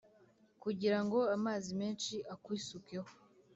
kugira ngo amazi menshi akwisukeho’